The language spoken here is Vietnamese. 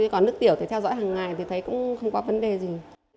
còn nước tiểu thì theo dõi hàng ngày thì thấy cũng không có vấn đề gì